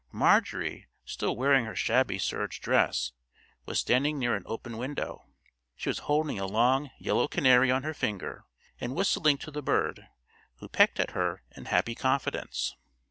Marjorie, still wearing her shabby serge dress, was standing near an open window. She was holding a long, yellow canary on her finger, and whistling to the bird, who pecked at her in happy confidence.